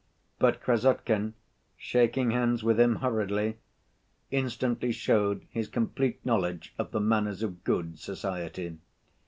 But Krassotkin, shaking hands with him hurriedly, instantly showed his complete knowledge of the manners of good society.